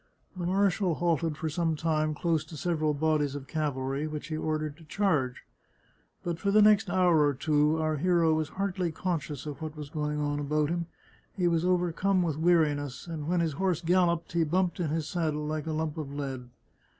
The marshal halted for some time close to several bodies of cavalry, which he ordered to charge. But for the next hour or two our hero was hardly conscious of what was going on about him; he was overcome with weariness, and when his horse galloped he bumped in his saddle like a lump of lead.